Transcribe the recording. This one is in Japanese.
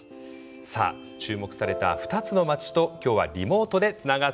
さあ注目された２つの町と今日はリモートでつながっています。